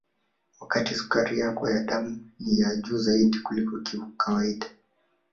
wakati sukari yako ya damu ni ya juu zaidi kuliko kawaida